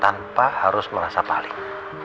tanpa harus merasa paling